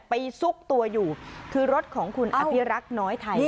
ซุกตัวอยู่คือรถของคุณอภิรักษ์น้อยไทย